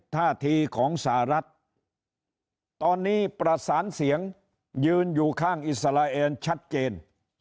ท่าทีของสหรัฐตอนนี้ประสานเสียงยืนอยู่ข้างอิสราเอลชัดเจน